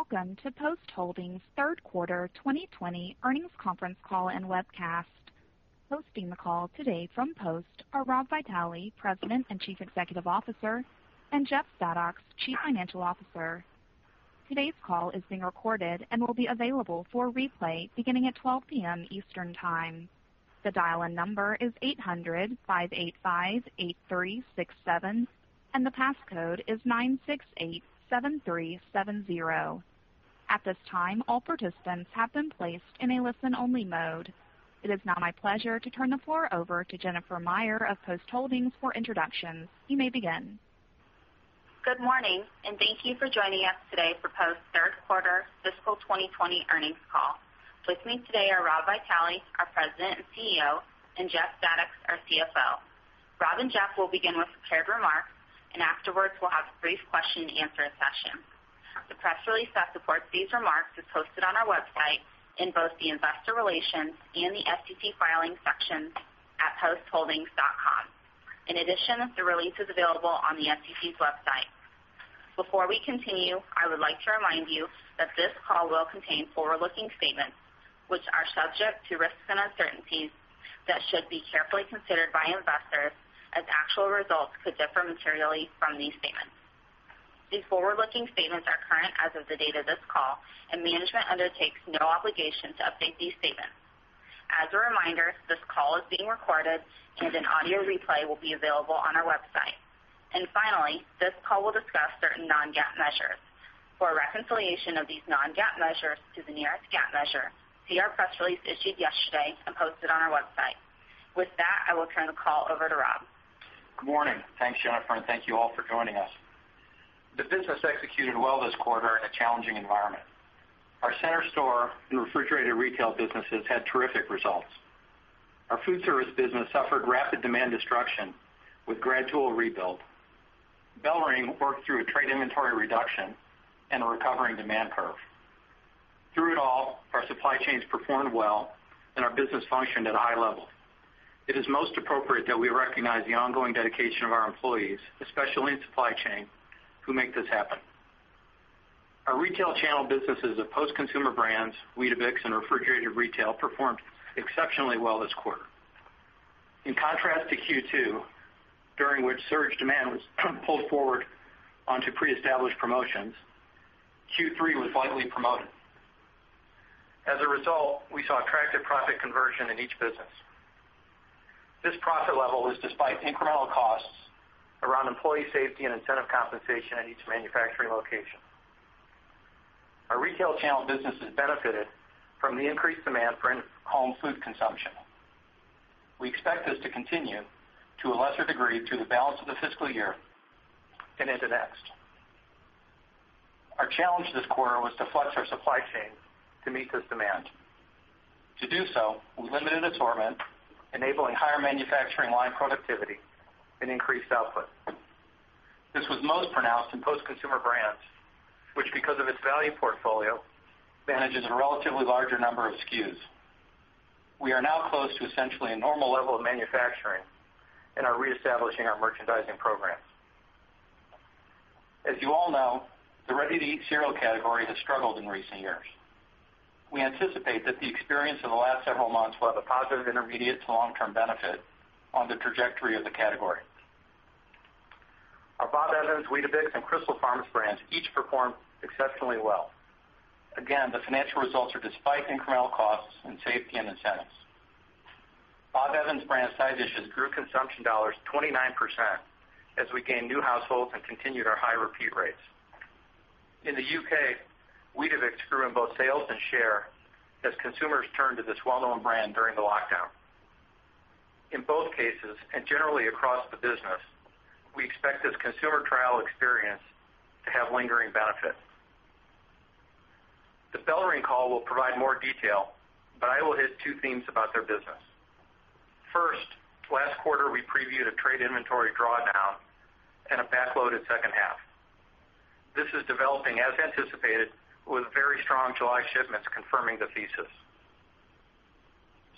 Welcome to Post Holdings' third quarter 2020 earnings conference call and webcast. Hosting the call today from Post are Rob Vitale, President and Chief Executive Officer, and Jeff Zadoks, Chief Financial Officer. Today's call is being recorded and will be available for replay beginning at 12:00 PM Eastern Time. The dial-in number is 800-585-8367, and the passcode is 9687370. At this time, all participants have been placed in a listen-only mode. It is now my pleasure to turn the floor over to Jennifer Meyer of Post Holdings for introductions. You may begin. Good morning, thank you for joining us today for Post third quarter fiscal 2020 earnings call. With me today are Rob Vitale, our President and CEO, and Jeff Zadoks, our CFO. Rob and Jeff will begin with prepared remarks, afterwards, we'll have a brief question and answer session. The press release that supports these remarks is posted on our website in both the investor relations and the SEC filings sections at postholdings.com. In addition, the release is available on the SEC's website. Before we continue, I would like to remind you that this call will contain forward-looking statements, which are subject to risks and uncertainties that should be carefully considered by investors, as actual results could differ materially from these statements. These forward-looking statements are current as of the date of this call, management undertakes no obligation to update these statements. As a reminder, this call is being recorded, and an audio replay will be available on our website. Finally, this call will discuss certain non-GAAP measures. For a reconciliation of these non-GAAP measures to the nearest GAAP measure, see our press release issued yesterday and posted on our website. With that, I will turn the call over to Rob. Good morning. Thanks, Jennifer, and thank you all for joining us. The business executed well this quarter in a challenging environment. Our center store and refrigerated retail businesses had terrific results. Our food service business suffered rapid demand destruction with gradual rebuild. BellRing worked through a trade inventory reduction and a recovering demand curve. Through it all, our supply chains performed well and our business functioned at a high level. It is most appropriate that we recognize the ongoing dedication of our employees, especially in supply chain, who make this happen. Our retail channel businesses of Post Consumer Brands, Weetabix, and refrigerated retail performed exceptionally well this quarter. In contrast to Q2, during which surge demand was pulled forward onto pre-established promotions, Q3 was lightly promoted. As a result, we saw attractive profit conversion in each business. This profit level was despite incremental costs around employee safety and incentive compensation at each manufacturing location. Our retail channel businesses benefited from the increased demand for in-home food consumption. We expect this to continue, to a lesser degree, through the balance of the fiscal year and into next. Our challenge this quarter was to flex our supply chain to meet this demand. To do so, we limited assortment, enabling higher manufacturing line productivity and increased output. This was most pronounced in Post Consumer Brands, which, because of its value portfolio, manages a relatively larger number of SKUs. We are now close to essentially a normal level of manufacturing and are reestablishing our merchandising programs. As you all know, the ready-to-eat cereal category has struggled in recent years. We anticipate that the experience of the last several months will have a positive intermediate to long-term benefit on the trajectory of the category. Our Bob Evans, Weetabix, and Crystal Farms brands each performed exceptionally well. The financial results are despite incremental costs in safety and incentives. Bob Evans brand side dishes grew consumption dollars 29% as we gained new households and continued our high repeat rates. In the U.K., Weetabix grew in both sales and share as consumers turned to this well-known brand during the lockdown. In both cases, generally across the business, we expect this consumer trial experience to have lingering benefit. The BellRing call will provide more detail. I will hit two themes about their business. First, last quarter, we previewed a trade inventory drawdown and a back-loaded second half. This is developing as anticipated, with very strong July shipments confirming the thesis.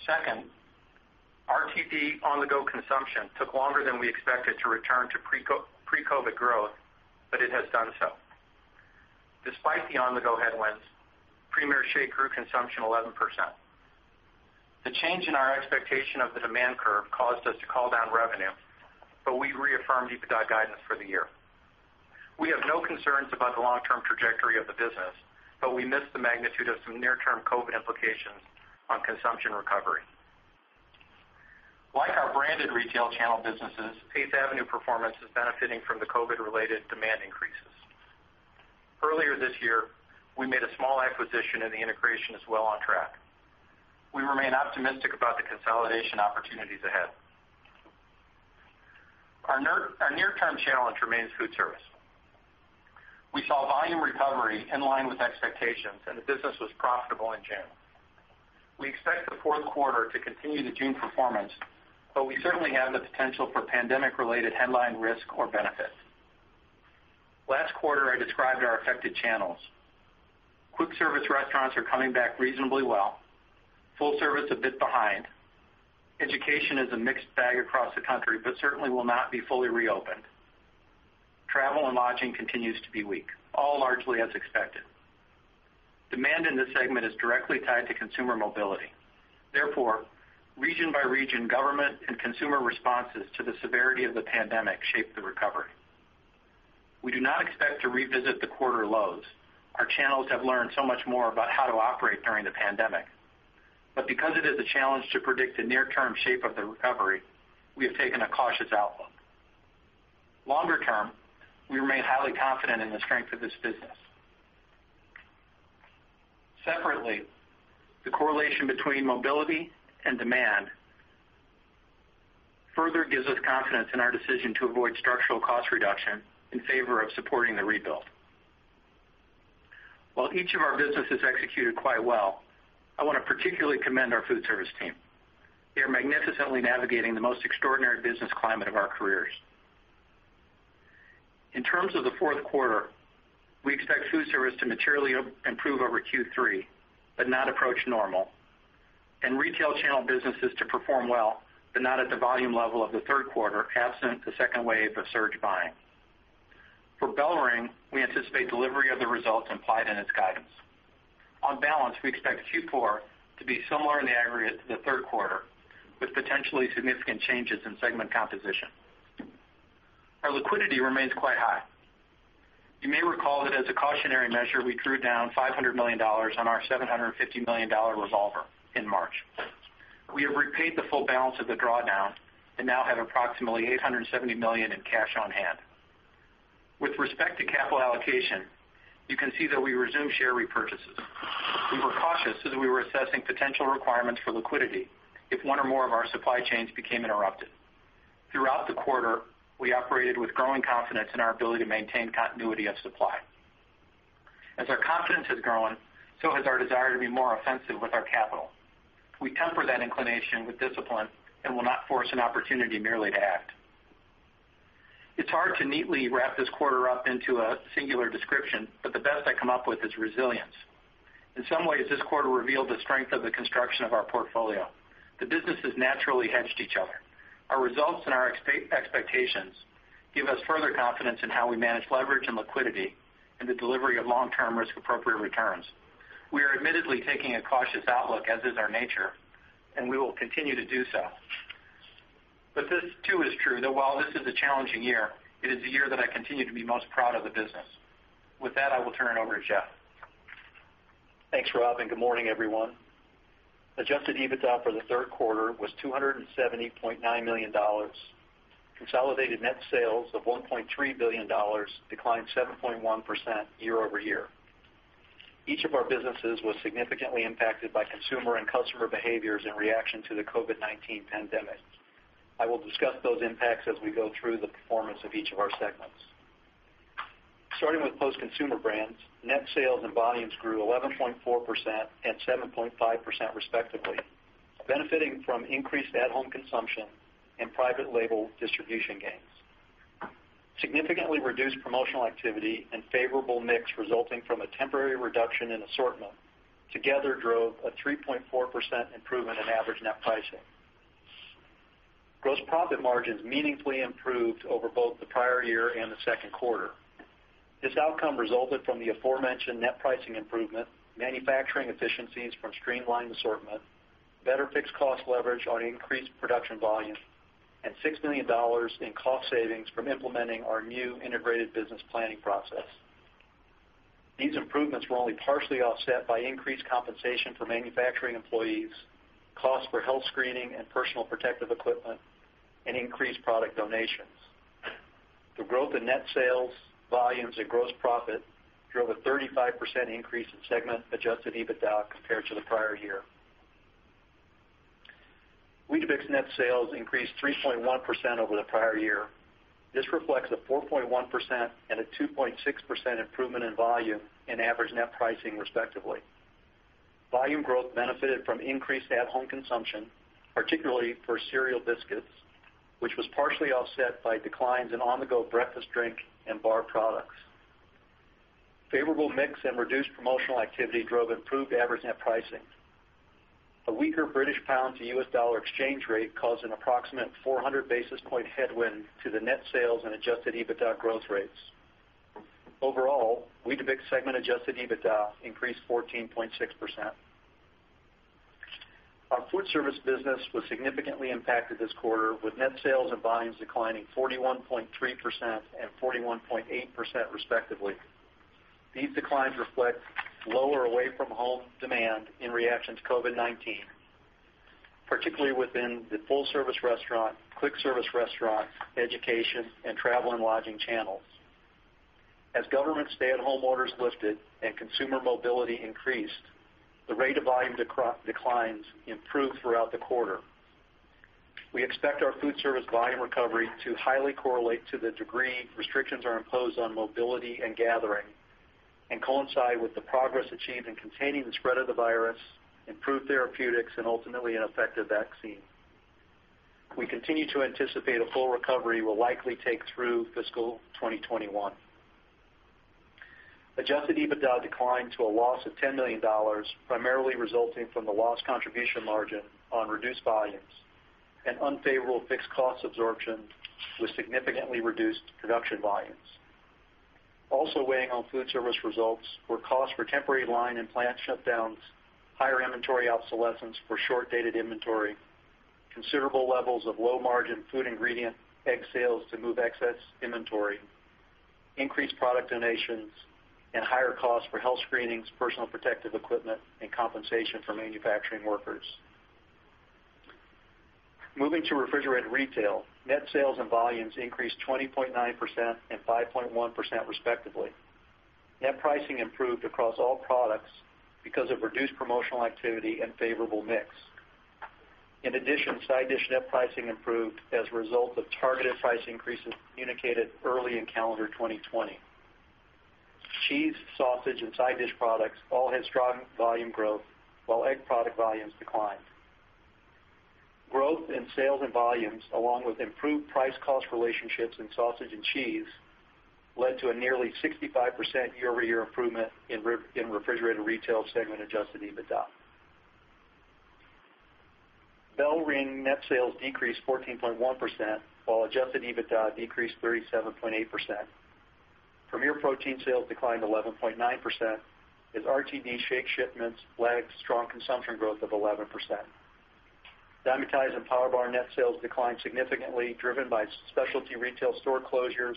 Second, RTD on-the-go consumption took longer than we expected to return to pre-COVID growth, but it has done so. Despite the on-the-go headwinds, Premier Protein grew consumption 11%. The change in our expectation of the demand curve caused us to call down revenue, but we reaffirmed EBITDA guidance for the year. We have no concerns about the long-term trajectory of the business, but we missed the magnitude of some near-term COVID implications on consumption recovery. Like our branded retail channel businesses, 8th Avenue performance is benefiting from the COVID-related demand increases. Earlier this year, we made a small acquisition, and the integration is well on track. We remain optimistic about the consolidation opportunities ahead. Our near-term challenge remains food service. We saw volume recovery in line with expectations, and the business was profitable in June. We expect the fourth quarter to continue the June performance, but we certainly have the potential for pandemic-related headline risk or benefit. Last quarter, I described our affected channels. Quick service restaurants are coming back reasonably well, full service a bit behind. Education is a mixed bag across the country, but certainly will not be fully reopened. Travel and lodging continues to be weak, all largely as expected. Demand in this segment is directly tied to consumer mobility. Therefore, region by region, government and consumer responses to the severity of the pandemic shape the recovery. We do not expect to revisit the quarter lows. Our channels have learned so much more about how to operate during the pandemic. Because it is a challenge to predict the near-term shape of the recovery, we have taken a cautious outlook. Longer term, we remain highly confident in the strength of this business. Separately, the correlation between mobility and demand further gives us confidence in our decision to avoid structural cost reduction in favor of supporting the rebuild. While each of our businesses executed quite well, I want to particularly commend our food service team. They are magnificently navigating the most extraordinary business climate of our careers. In terms of the fourth quarter, we expect food service to materially improve over Q3, but not approach normal, and retail channel businesses to perform well, but not at the volume level of the third quarter, absent a second wave of surge buying. For BellRing, we anticipate delivery of the results implied in its guidance. On balance, we expect Q4 to be similar in the aggregate to the third quarter, with potentially significant changes in segment composition. Our liquidity remains quite high. You may recall that as a cautionary measure, we drew down $500 million on our $750 million revolver in March. We have repaid the full balance of the drawdown and now have approximately $870 million in cash on hand. With respect to capital allocation, you can see that we resumed share repurchases. We were cautious as we were assessing potential requirements for liquidity if one or more of our supply chains became interrupted. Throughout the quarter, we operated with growing confidence in our ability to maintain continuity of supply. As our confidence has grown, so has our desire to be more offensive with our capital. We temper that inclination with discipline and will not force an opportunity merely to act. It's hard to neatly wrap this quarter up into a singular description, but the best I come up with is resilience. In some ways, this quarter revealed the strength of the construction of our portfolio. The businesses naturally hedged each other. Our results and our expectations give us further confidence in how we manage leverage and liquidity and the delivery of long-term risk-appropriate returns. We are admittedly taking a cautious outlook, as is our nature, and we will continue to do so. This too is true, that while this is a challenging year, it is the year that I continue to be most proud of the business. With that, I will turn it over to Jeff. Thanks, Rob, and good morning, everyone. Adjusted EBITDA for the third quarter was $270.9 million. Consolidated net sales of $1.3 billion declined 7.1% year-over-year. Each of our businesses was significantly impacted by consumer and customer behaviors in reaction to the COVID-19 pandemic. I will discuss those impacts as we go through the performance of each of our segments. Starting with Post Consumer Brands, net sales and volumes grew 11.4% and 7.5% respectively, benefiting from increased at-home consumption and private label distribution gains. Significantly reduced promotional activity and favorable mix resulting from a temporary reduction in assortment together drove a 3.4% improvement in average net pricing. Gross profit margins meaningfully improved over both the prior year and the second quarter. This outcome resulted from the aforementioned net pricing improvement, manufacturing efficiencies from streamlined assortment, better fixed cost leverage on increased production volume, and $6 million in cost savings from implementing our new integrated business planning process. These improvements were only partially offset by increased compensation for manufacturing employees, cost for health screening and personal protective equipment, and increased product donations. The growth in net sales, volumes and gross profit drove a 35% increase in segment adjusted EBITDA compared to the prior year. Weetabix net sales increased 3.1% over the prior year. This reflects a 4.1% and a 2.6% improvement in volume and average net pricing, respectively. Volume growth benefited from increased at-home consumption, particularly for cereal biscuits, which was partially offset by declines in on-the-go breakfast drink and bar products. Favorable mix and reduced promotional activity drove improved average net pricing. A weaker British pound to U.S. dollar exchange rate caused an approximate 400 basis point headwind to the net sales and adjusted EBITDA growth rates. Overall, Weetabix segment adjusted EBITDA increased 14.6%. Our food service business was significantly impacted this quarter, with net sales and volumes declining 41.3% and 41.8%, respectively. These declines reflect lower away-from-home demand in reaction to COVID-19, particularly within the full-service restaurant, quick service restaurant, education, and travel and lodging channels. As government stay-at-home orders lifted and consumer mobility increased, the rate of volume declines improved throughout the quarter. We expect our food service volume recovery to highly correlate to the degree restrictions are imposed on mobility and gathering and coincide with the progress achieved in containing the spread of the virus, improved therapeutics, and ultimately an effective vaccine. We continue to anticipate a full recovery will likely take through fiscal 2021. Adjusted EBITDA declined to a loss of $10 million, primarily resulting from the lost contribution margin on reduced volumes and unfavorable fixed cost absorption with significantly reduced production volumes. Also weighing on food service results were costs for temporary line and plant shutdowns, higher inventory obsolescence for short-dated inventory, considerable levels of low-margin food ingredient egg sales to move excess inventory, increased product donations, and higher costs for health screenings, personal protective equipment, and compensation for manufacturing workers. Moving to refrigerated retail, net sales and volumes increased 20.9% and 5.1% respectively. Net pricing improved across all products because of reduced promotional activity and favorable mix. In addition, side dish net pricing improved as a result of targeted price increases communicated early in calendar 2020. Cheese, sausage, and side dish products all had strong volume growth, while egg product volumes declined. Growth in sales and volumes, along with improved price-cost relationships in sausage and cheese, led to a nearly 65% year-over-year improvement in refrigerated retail segment adjusted EBITDA. BellRing net sales decreased 14.1%, while adjusted EBITDA decreased 37.8%. Premier Protein sales declined 11.9%, as RTD shake shipments lagged strong consumption growth of 11%. Dymatize and PowerBar net sales declined significantly, driven by specialty retail store closures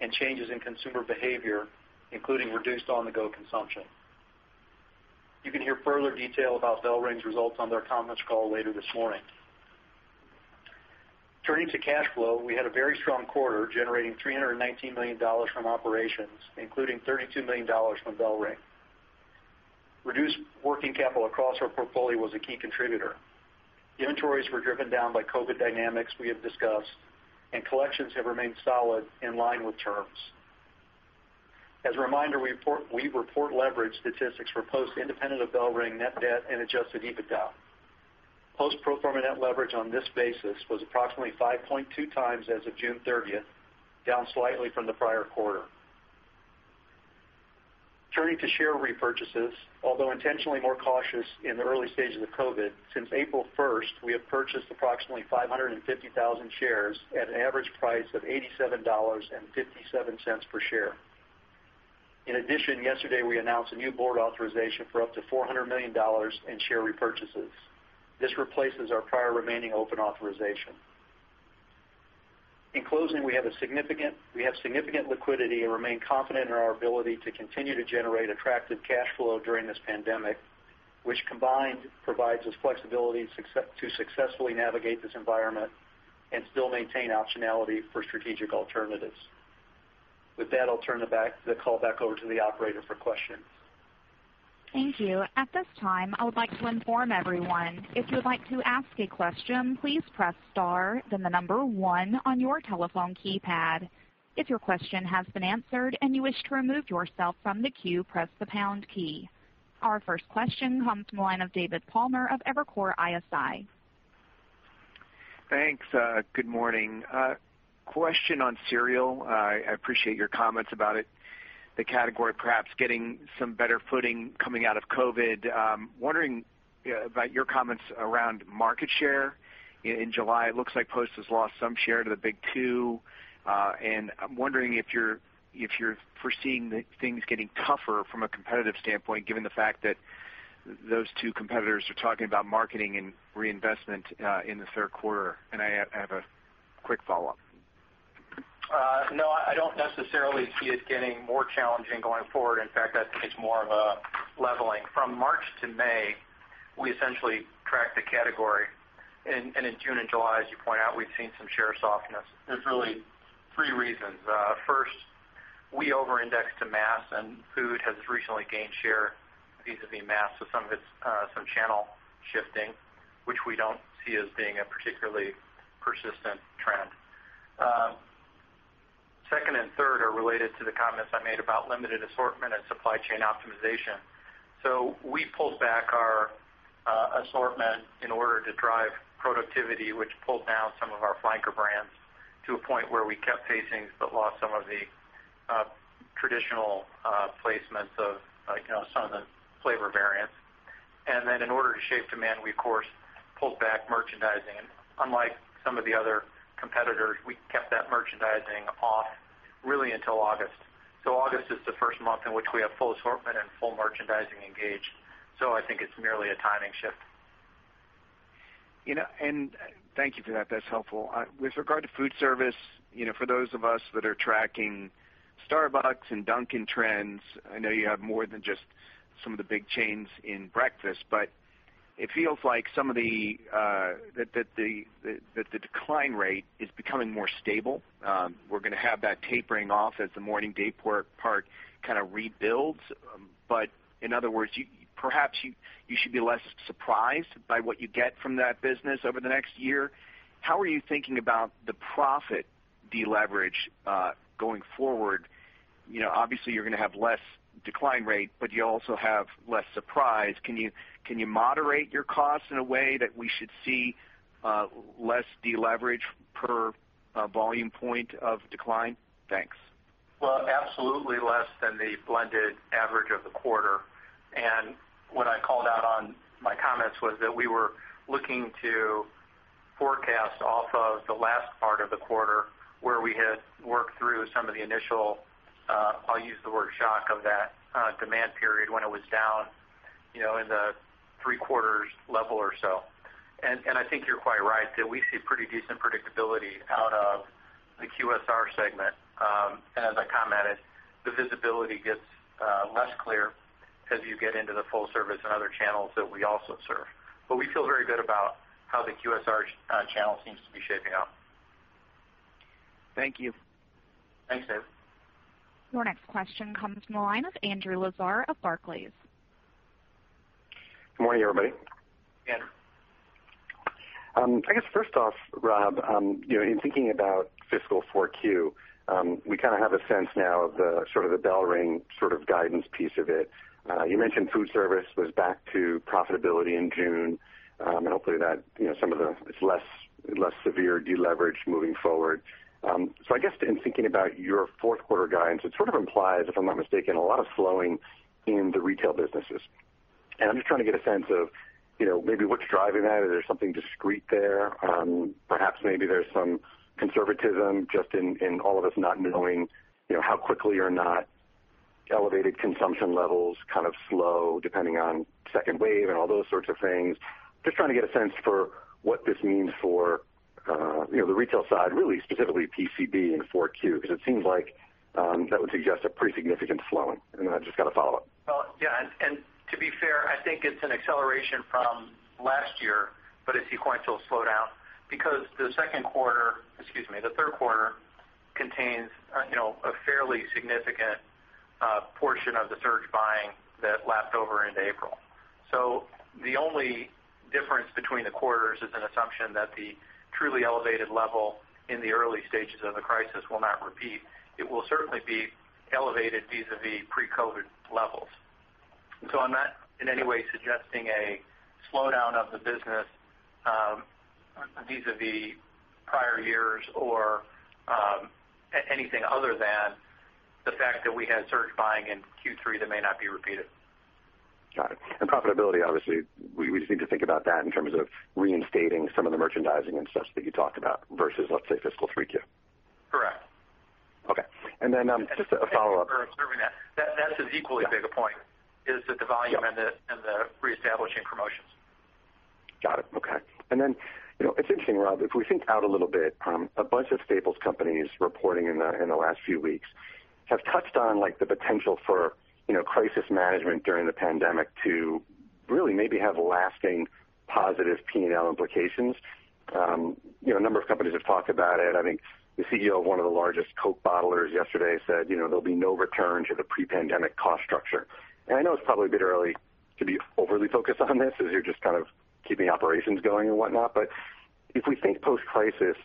and changes in consumer behavior, including reduced on-the-go consumption. You can hear further detail about BellRing's results on their conference call later this morning. Turning to cash flow, we had a very strong quarter, generating $319 million from operations, including $32 million from BellRing. Reduced working capital across our portfolio was a key contributor. Inventories were driven down by COVID dynamics we have discussed, and collections have remained solid in line with terms. As a reminder, we report leverage statistics for Post independent of BellRing net debt and adjusted EBITDA. Post pro forma net leverage on this basis was approximately 5.2x as of June 30th, down slightly from the prior quarter. Turning to share repurchases, although intentionally more cautious in the early stages of COVID, since April 1st, we have purchased approximately 550,000 shares at an average price of $87.57 per share. In addition, yesterday we announced a new board authorization for up to $400 million in share repurchases. This replaces our prior remaining open authorization. In closing, we have significant liquidity and remain confident in our ability to continue to generate attractive cash flow during this pandemic, which combined provides us flexibility to successfully navigate this environment and still maintain optionality for strategic alternatives. With that, I'll turn the call back over to the operator for questions. Thank you. At this time, I would like to inform everyone, if you would like to ask a question, please press star then the number one on your telephone keypad. If your question has been answered and you wish to remove yourself from the queue, press the pound key. Our first question comes from the line of David Palmer of Evercore ISI. Thanks. Good morning. Question on cereal. I appreciate your comments about it. The category perhaps getting some better footing coming out of COVID-19. Wondering about your comments around market share in July. It looks like Post has lost some share to the big two. I'm wondering if you're foreseeing things getting tougher from a competitive standpoint, given the fact that those two competitors are talking about marketing and reinvestment in the third quarter. I have a quick follow-up. No, I don't necessarily see it getting more challenging going forward. In fact, I think it's more of a leveling. From March to May, we essentially tracked the category, and in June and July, as you point out, we've seen some share softness. There's really three reasons. First, we over-indexed to mass, and food has recently gained share vis-a-vis mass. Some channel shifting, which we don't see as being a particularly persistent trend. Second and third are related to the comments I made about limited assortment and supply chain optimization. We pulled back our assortment in order to drive productivity, which pulled down some of our flanker brands to a point where we kept facings but lost some of the traditional placements of some of the flavor variants. Then in order to shape demand, we of course, pulled back merchandising. Unlike some of the other competitors, we kept that merchandising off really until August. August is the first month in which we have full assortment and full merchandising engaged. I think it's merely a timing shift. Thank you for that. That's helpful. With regard to food service, for those of us that are tracking Starbucks and Dunkin' trends, I know you have more than just some of the big chains in breakfast, but it feels like the decline rate is becoming more stable. We're going to have that tapering off as the morning daypart kind of rebuilds. In other words, perhaps you should be less surprised by what you get from that business over the next year. How are you thinking about the profit deleverage going forward? Obviously, you're going to have less decline rate, but you also have less surprise. Can you moderate your costs in a way that we should see less deleverage per a volume point of decline? Thanks. Well, absolutely less than the blended average of the quarter. What I called out on my comments was that we were looking to forecast off of the last part of the quarter where we had worked through some of the initial, I'll use the word shock of that demand period when it was down in the three quarters level or so. I think you're quite right that we see pretty decent predictability out of the QSR segment. As I commented, the visibility gets less clear as you get into the full service and other channels that we also serve. We feel very good about how the QSR channel seems to be shaping up. Thank you. Thanks, Dave. Your next question comes from the line of Andrew Lazar of Barclays. Good morning, everybody. Hey. I guess first off, Rob, in thinking about fiscal 4Q, we have a sense now of the BellRing sort of guidance piece of it. You mentioned food service was back to profitability in June. Hopefully it's less severe deleverage moving forward. I guess in thinking about your fourth quarter guidance, it sort of implies, if I'm not mistaken, a lot of slowing in the retail businesses. I'm just trying to get a sense of maybe what's driving that. Is there something discrete there? Perhaps maybe there's some conservatism just in all of us not knowing how quickly or not elevated consumption levels kind of slow depending on second wave and all those sorts of things. Just trying to get a sense for what this means for the retail side really specifically PCB in 4Q, because it seems like that would suggest a pretty significant slowing. I've just got a follow-up. Yeah, to be fair, I think it's an acceleration from last year, but a sequential slowdown because the third quarter contains a fairly significant portion of the surge buying that lapped over into April. The only difference between the quarters is an assumption that the truly elevated level in the early stages of the crisis will not repeat. It will certainly be elevated vis-a-vis pre-COVID-19 levels. I'm not in any way suggesting a slowdown of the business vis-a-vis prior years or anything other than the fact that we had surge buying in Q3 that may not be repeated. Got it. Profitability, obviously, we just need to think about that in terms of reinstating some of the merchandising and stuff that you talked about versus, let's say, fiscal 3Q. Correct. Okay. Just a follow-up. Observing that's an equally big a point, is that the volume and the reestablishing promotions. Got it. Okay. It's interesting, Rob, if we think out a little bit, a bunch of staples companies reporting in the last few weeks have touched on the potential for crisis management during the pandemic to really maybe have lasting positive P&L implications. A number of companies have talked about it. I think the CEO of one of the largest Coke bottlers yesterday said there'll be no return to the pre-pandemic cost structure. I know it's probably a bit early to be overly focused on this as you're just kind of keeping operations going and whatnot. If we think post-crisis,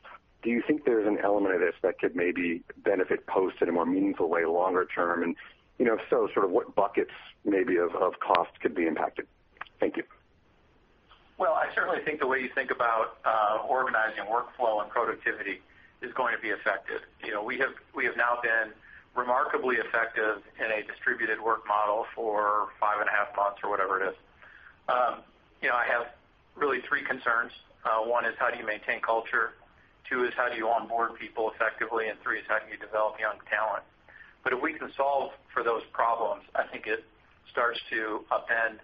do you think there's an element of this that could maybe benefit post in a more meaningful way longer term? If so, sort of what buckets maybe of cost could be impacted? Thank you. Well, I certainly think the way you think about organizing workflow and productivity is going to be effective. We have now been remarkably effective in a distributed work model for five and a half months or whatever it is. I have really three concerns. One is how do you maintain culture, two is how do you onboard people effectively, and three is how do you develop young talent. If we can solve for those problems, I think it starts to upend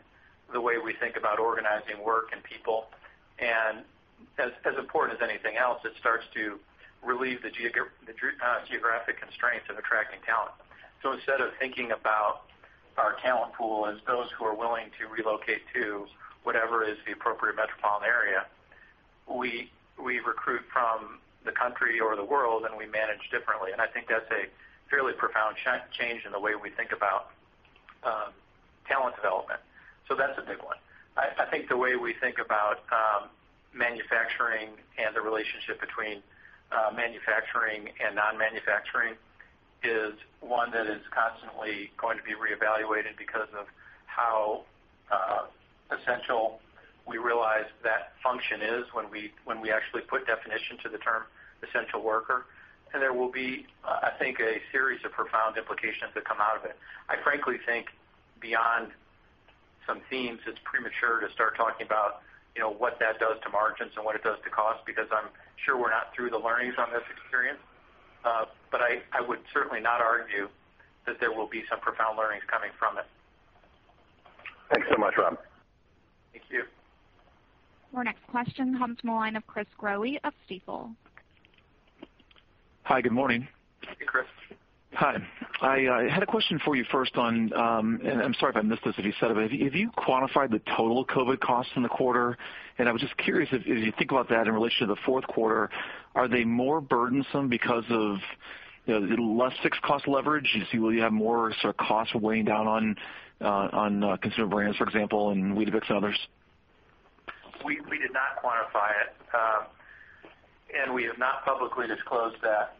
the way we think about organizing work and people. As important as anything else, it starts to relieve the geographic constraints of attracting talent. Instead of thinking about our talent pool as those who are willing to relocate to whatever is the appropriate metropolitan area, we recruit from the country or the world, and we manage differently. I think that's a fairly profound change in the way we think about talent development. That's a big one. I think the way we think about manufacturing and the relationship between manufacturing and non-manufacturing is one that is constantly going to be reevaluated because of how essential we realize that function is when we actually put definition to the term essential worker. There will be, I think, a series of profound implications that come out of it. I frankly think beyond some themes, it's premature to start talking about what that does to margins and what it does to cost, because I'm sure we're not through the learnings on this experience. I would certainly not argue that there will be some profound learnings coming from it. Thanks so much, Rob. Thank you. Your next question comes from the line of Chris Growe of Stifel. Hi, good morning. Hey, Chris. Hi. I had a question for you first on, and I'm sorry if I missed this if you said it, but have you quantified the total COVID costs in the quarter? I was just curious if you think about that in relation to the fourth quarter, are they more burdensome because of less fixed cost leverage? You have more sort of costs weighing down on consumer brands, for example, and Weetabix and others? We did not quantify it. We have not publicly disclosed that.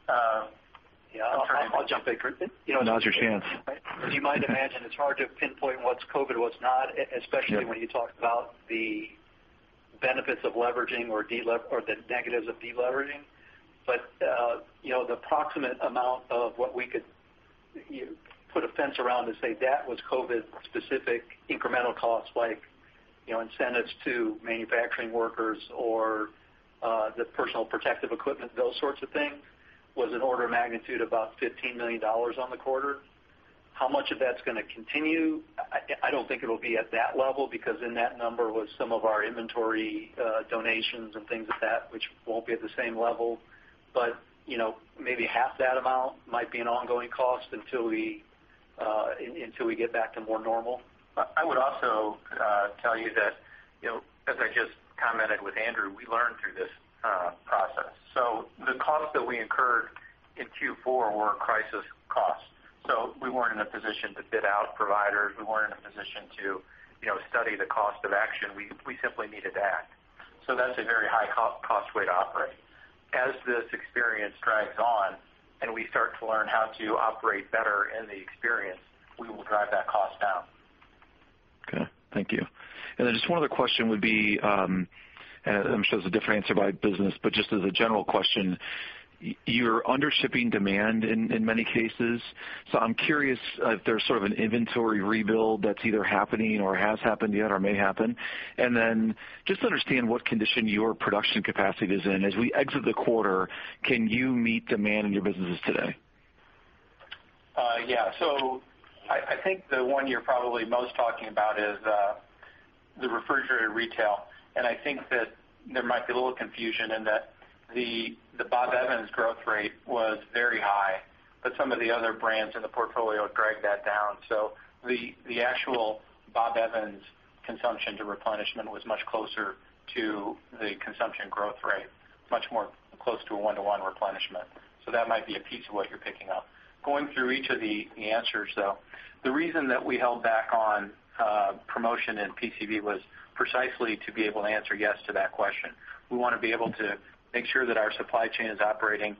Jump in, Chris? Now's your chance. As you might imagine, it's hard to pinpoint what's COVID, what's not, especially when you talk about the benefits of leveraging or the negatives of deleveraging. The approximate amount of what we could put a fence around to say that was COVID-specific incremental costs like incentives to manufacturing workers or the personal protective equipment, those sorts of things, was an order of magnitude about $15 million on the quarter. How much of that's going to continue? I don't think it'll be at that level because in that number was some of our inventory donations and things like that which won't be at the same level. Maybe half that amount might be an ongoing cost until we get back to more normal. I would also tell you that, as I just commented with Andrew, we learned through this process. The costs that we incurred in Q4 were crisis costs. We weren't in a position to bid out providers. We weren't in a position to study the cost of action. We simply needed to act. That's a very high cost way to operate. As this experience drags on and we start to learn how to operate better in the experience, we will drive that cost down. Okay. Thank you. Just one other question would be, and I'm sure it's a different answer by business, but just as a general question, you're under shipping demand in many cases. I'm curious if there's sort of an inventory rebuild that's either happening or has happened yet or may happen. Just to understand what condition your production capacity is in. As we exit the quarter, can you meet demand in your businesses today? Yeah. I think the one you're probably most talking about is the refrigerated retail. I think that there might be a little confusion in that the Bob Evans growth rate was very high, but some of the other brands in the portfolio dragged that down. The actual Bob Evans consumption to replenishment was much closer to the consumption growth rate, much more close to a one-to-one replenishment. That might be a piece of what you're picking up. Going through each of the answers, though, the reason that we held back on promotion in PCB was precisely to be able to answer yes to that question. We want to be able to make sure that our supply chain is operating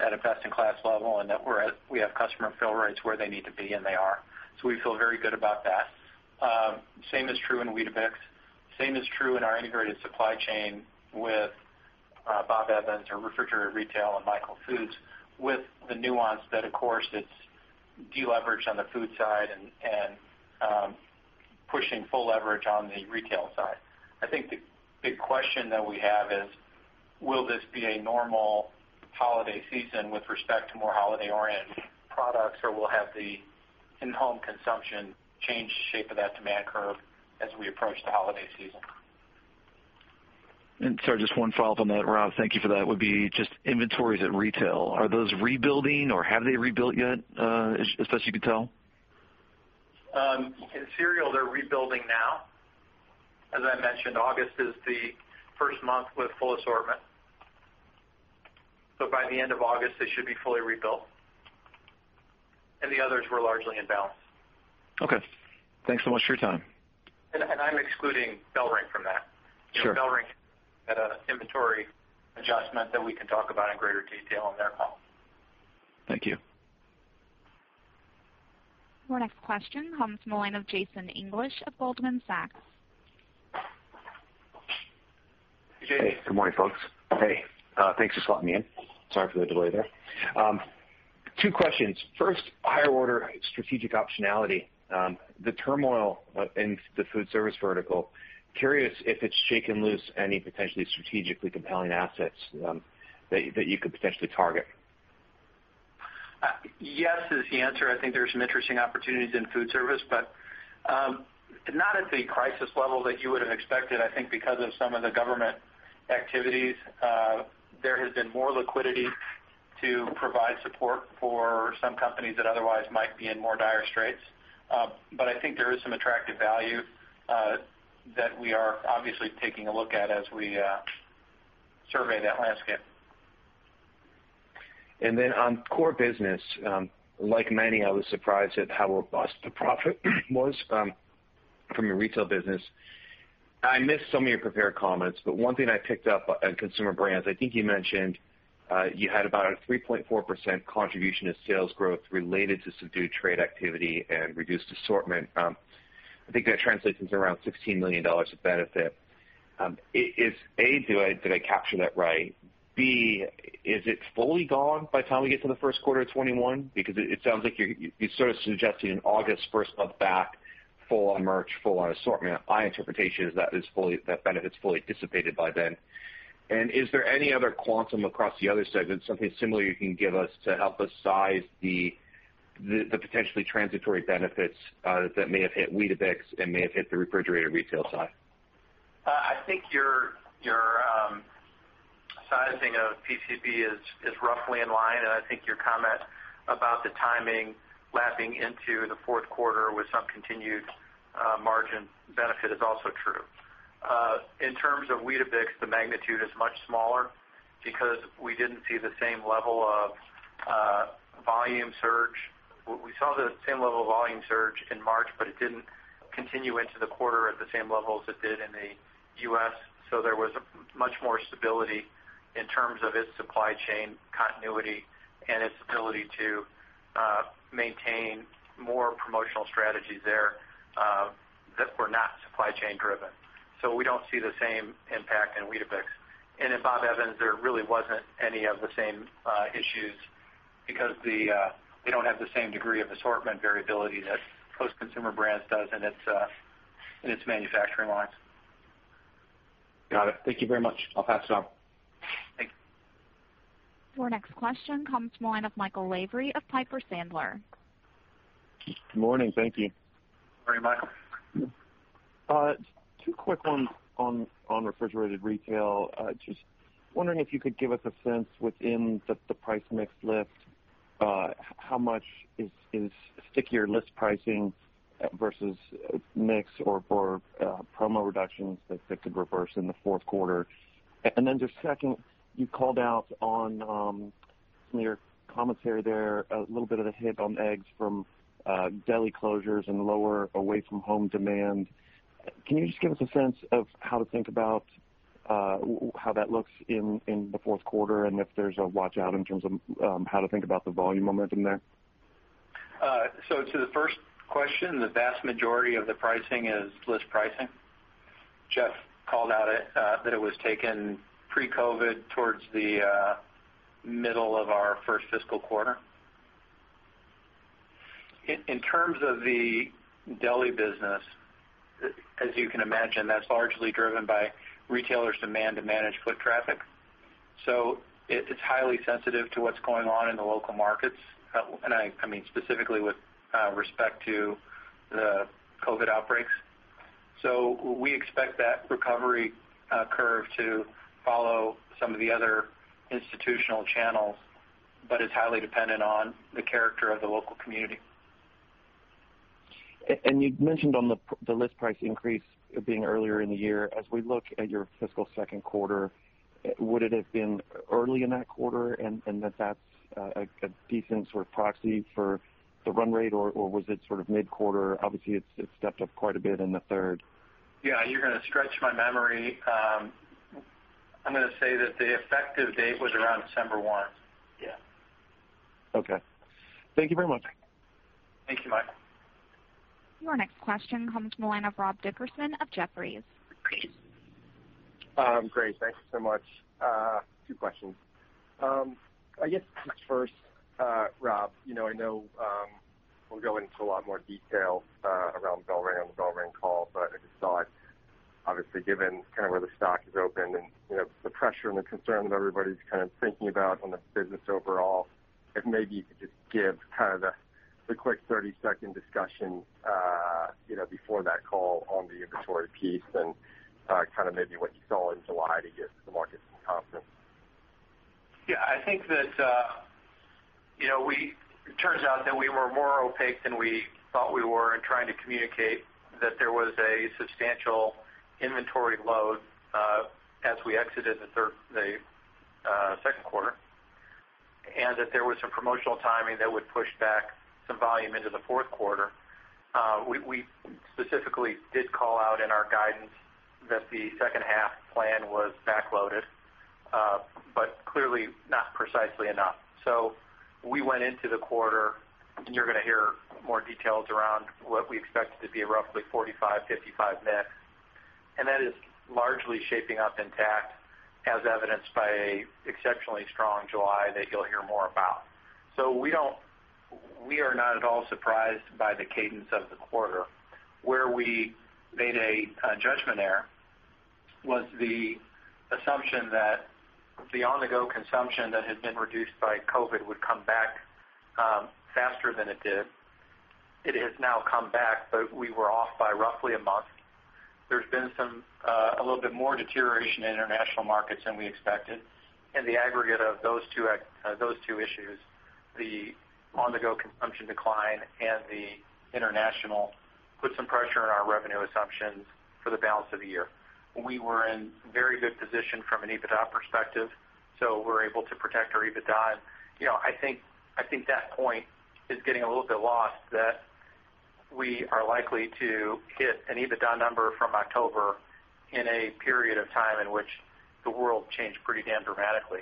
at a best-in-class level and that we have customer fill rates where they need to be, and they are. We feel very good about that. Same is true in Weetabix. Same is true in our integrated supply chain with Bob Evans or refrigerated retail and Michael Foods with the nuance that, of course, it's de-leveraged on the food side and pushing full leverage on the retail side. I think the big question that we have is, will this be a normal holiday season with respect to more holiday-oriented products, or will have the in-home consumption change the shape of that demand curve as we approach the holiday season? Sorry, just one follow-up on that, Rob, thank you for that, would be just inventories at retail. Are those rebuilding or have they rebuilt yet as best you could tell? In cereal, they're rebuilding now. As I mentioned, August is the first month with full assortment. By the end of August, they should be fully rebuilt. The others were largely in balance. Okay. Thanks so much for your time. I'm excluding BellRing from that. Sure. BellRing had an inventory adjustment that we can talk about in greater detail on their call. Thank you. Our next question comes from the line of Jason English of Goldman Sachs. Hey, good morning, folks. Hey, thanks for slotting me in. Sorry for the delay there. Two questions. First, higher order strategic optionality. The turmoil in the food service vertical, curious if it's shaken loose any potentially strategically compelling assets that you could potentially target? Yes is the answer. I think there are some interesting opportunities in food service, but not at the crisis level that you would have expected. I think because of some of the government activities, there has been more liquidity to provide support for some companies that otherwise might be in more dire straits. I think there is some attractive value that we are obviously taking a look at as we survey that landscape. On core business, like many, I was surprised at how robust the profit was from your retail business. One thing I picked up on Consumer Brands, I think you mentioned you had about a 3.4% contribution to sales growth related to subdued trade activity and reduced assortment. I think that translates into around $16 million of benefit. A, did I capture that right? B, is it fully gone by the time we get to the first quarter of 2021? It sounds like you're sort of suggesting August 1st month back full on merch, full on assortment. My interpretation is that benefit's fully dissipated by then. Is there any other quantum across the other segments, something similar you can give us to help us size the potentially transitory benefits that may have hit Weetabix and may have hit the refrigerated retail side? I think your sizing of PCB is roughly in line, and I think your comment about the timing lapping into the fourth quarter with some continued margin benefit is also true. In terms of Weetabix, the magnitude is much smaller because we saw the same level of volume surge in March, but it didn't continue into the quarter at the same levels it did in the U.S. There was much more stability in terms of its supply chain continuity and its ability to maintain more promotional strategies there that were not supply chain driven. We don't see the same impact in Weetabix. In Bob Evans, there really wasn't any of the same issues because they don't have the same degree of assortment variability that Post Consumer Brands does in its manufacturing lines. Got it. Thank you very much. I'll pass it on. Thanks. Your next question comes from the line of Michael Lavery of Piper Sandler. Good morning. Thank you. Morning, Michael. Two quick ones on refrigerated retail. Just wondering if you could give us a sense within the price mix lift, how much is stickier list pricing versus mix or promo reductions that could reverse in the fourth quarter. Just second, you called out on some of your commentary there, a little bit of the hit on eggs from deli closures and lower away from home demand. Can you just give us a sense of how to think about how that looks in the fourth quarter, and if there's a watch-out in terms of how to think about the volume momentum there? To the first question, the vast majority of the pricing is list pricing. Jeff called out that it was taken pre-COVID towards the middle of our first fiscal quarter. In terms of the deli business, as you can imagine, that's largely driven by retailers' demand to manage foot traffic. It's highly sensitive to what's going on in the local markets, and specifically with respect to the COVID outbreaks. We expect that recovery curve to follow some of the other institutional channels, but it's highly dependent on the character of the local community. You mentioned on the list price increase being earlier in the year. As we look at your fiscal second quarter, would it have been early in that quarter and that's a decent sort of proxy for the run rate, or was it sort of mid-quarter? Obviously, it stepped up quite a bit in the third. Yeah, you're going to stretch my memory. I'm going to say that the effective date was around December 1. Yeah. Okay. Thank you very much. Thank you, Michael. Your next question comes from the line of Rob Dickerson of Jefferies. Great. Thanks so much. Two questions. I guess first, Rob, I know we'll go into a lot more detail around BellRing on the BellRing call, but I just thought, obviously given kind of where the stock has opened and the pressure and the concern that everybody's kind of thinking about on the business overall, if maybe you could just give kind of the quick 30-second discussion before that call on the inventory piece and kind of maybe what you saw in July to give the market some confidence. I think that it turns out that we were more opaque than we thought we were in trying to communicate that there was a substantial inventory load as we exited the second quarter, and that there was some promotional timing that would push back some volume into the fourth quarter. We specifically did call out in our guidance that the second half plan was backloaded, but clearly not precisely enough. We went into the quarter, and you're going to hear more details around what we expected to be a roughly 45/55 mix. That is largely shaping up intact, as evidenced by exceptionally strong July that you'll hear more about. We are not at all surprised by the cadence of the quarter. Where we made a judgment error was the assumption that the on-the-go consumption that had been reduced by COVID-19 would come back faster than it did. It has now come back, but we were off by roughly a month. There's been a little bit more deterioration in international markets than we expected. The aggregate of those two issues, the on-the-go consumption decline and the international, put some pressure on our revenue assumptions for the balance of the year. We were in very good position from an EBITDA perspective, we're able to protect our EBITDA. I think that point is getting a little bit lost that we are likely to hit an EBITDA number from October in a period of time in which the world changed pretty damn dramatically.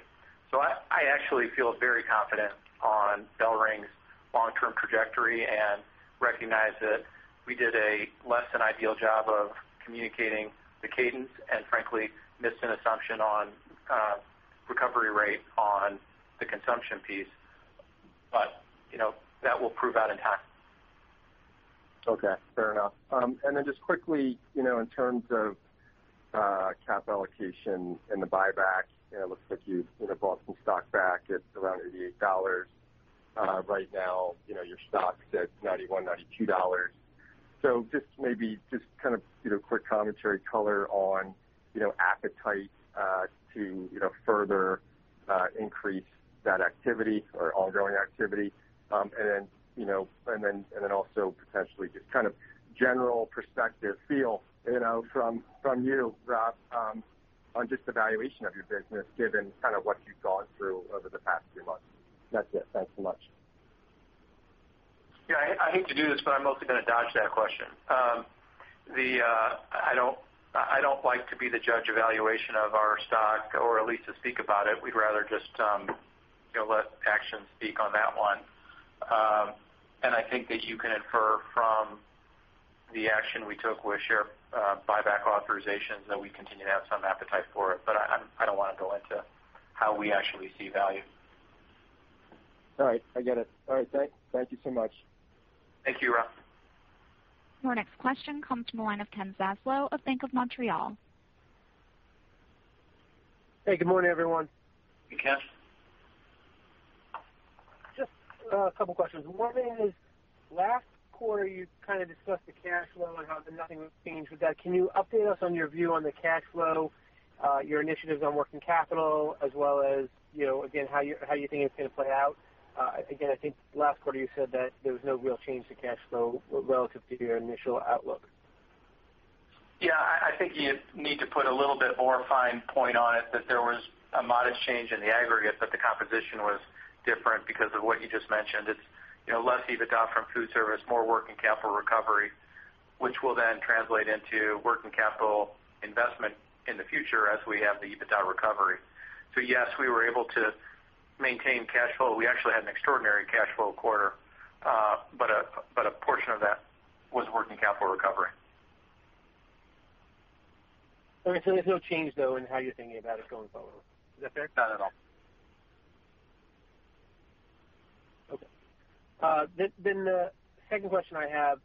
I actually feel very confident on BellRing's long-term trajectory and recognize that we did a less than ideal job of communicating the cadence and frankly, missed an assumption on recovery rate on the consumption piece. That will prove out intact. Okay, fair enough. Then just quickly, in terms of cap allocation and the buyback, it looks like you've bought some stock back at around $88. Right now, your stock's at $91, $92. Just maybe just kind of quick commentary color on appetite to further increase that activity or ongoing activity. Then also potentially just kind of general perspective feel from you, Rob, on just the valuation of your business given kind of what you've gone through over the past few months. That's it. Thanks so much. Yeah, I hate to do this, but I'm mostly going to dodge that question. I don't like to be the judge evaluation of our stock, or at least to speak about it. We'd rather just let actions speak on that one. I think that you can infer from the action we took with share buyback authorizations that we continue to have some appetite for it. I don't want to go into how we actually see value. All right, I get it. All right, thank you so much. Thank you, Rob. Your next question comes from the line of Ken Zaslow of Bank of Montreal. Hey, good morning, everyone. Hey, Ken. Just a couple questions. One is, last quarter, you kind of discussed the cash flow and how nothing changed with that. Can you update us on your view on the cash flow, your initiatives on working capital, as well as, again, how you think it's going to play out? I think last quarter you said that there was no real change to cash flow relative to your initial outlook. Yeah, I think you need to put a little bit more fine point on it that there was a modest change in the aggregate, but the composition was different because of what you just mentioned. It is less EBITDA from food service, more working capital recovery, which will then translate into working capital investment in the future as we have the EBITDA recovery. Yes, we were able to maintain cash flow. We actually had an extraordinary cash flow quarter. A portion of that was working capital recovery. There's no change, though, in how you're thinking about it going forward. Is that fair? Not at all. Okay. The second question I have.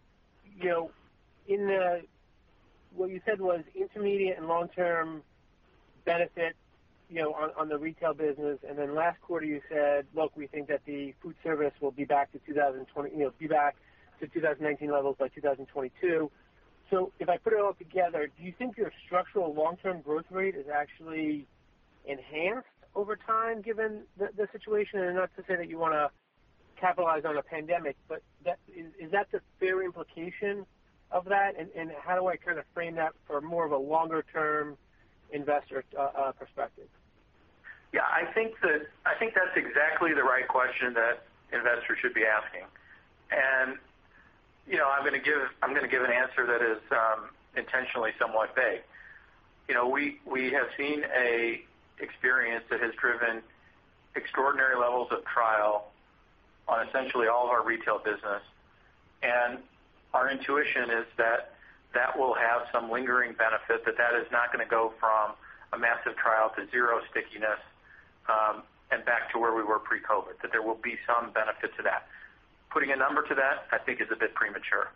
What you said was intermediate and long-term benefit on the retail business. Last quarter you said, look, we think that the food service will be back to 2019 levels by 2022. If I put it all together, do you think your structural long-term growth rate is actually enhanced over time given the situation? Not to say that you want to capitalize on a pandemic, but is that the fair implication of that? How do I kind of frame that for more of a longer term investor perspective? Yeah, I think that's exactly the right question that investors should be asking. I'm going to give an answer that is intentionally somewhat vague. We have seen an experience that has driven extraordinary levels of trial on essentially all of our retail business, and our intuition is that that will have some lingering benefit, that that is not going to go from a massive trial to zero stickiness and back to where we were pre-COVID-19, that there will be some benefit to that. Putting a number to that, I think is a bit premature.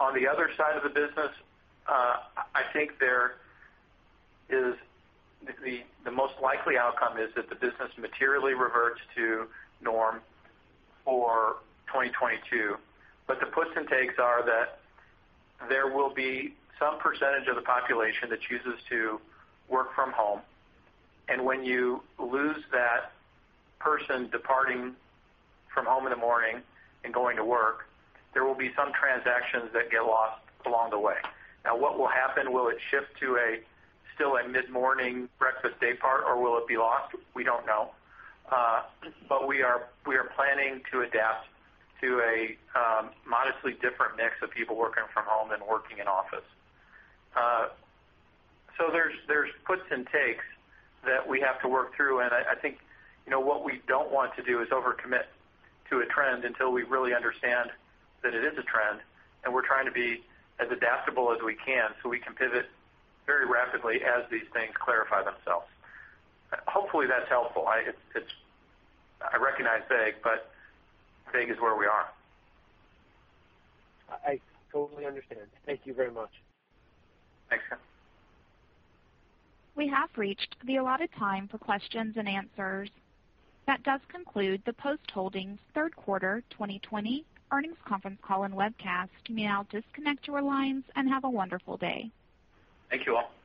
On the other side of the business, I think the most likely outcome is that the business materially reverts to norm for 2022. The puts and takes are that there will be some percentage of the population that chooses to work from home, and when you lose that person departing from home in the morning and going to work, there will be some transactions that get lost along the way. What will happen? Will it shift to a still a mid-morning breakfast daypart, or will it be lost? We don't know. We are planning to adapt to a modestly different mix of people working from home than working in office. There's puts and takes that we have to work through, and I think what we don't want to do is overcommit to a trend until we really understand that it is a trend, and we're trying to be as adaptable as we can so we can pivot very rapidly as these things clarify themselves. Hopefully, that's helpful. I recognize it's vague, but vague is where we are. I totally understand. Thank you very much. Thanks, Ken. We have reached the allotted time for questions and answers. That does conclude the Post Holdings third quarter 2020 earnings conference call and webcast. You may now disconnect your lines and have a wonderful day. Thank you all.